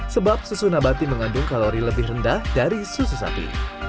sebab susu nabati mengandung kalori lebih rendah dari susu sapi